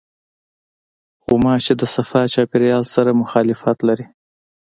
غوماشې د صفا چاپېریال سره مخالفت لري.